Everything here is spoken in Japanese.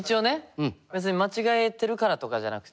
別に間違えてるからとかじゃなくて。